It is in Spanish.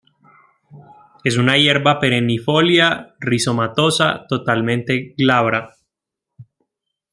Es una hierba perennifolia, rizomatosa, totalmente glabra.